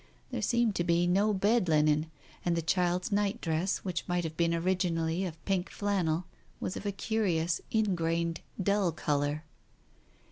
There seemed to be no bed linen, and the child's nightdress, which might have been originally of pink flannel, was of a curious ingrained dull colour.